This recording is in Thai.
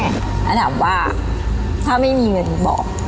แล้วถามว่าถ้าไม่มีเงินบอก